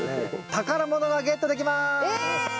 宝物がゲットできます！え！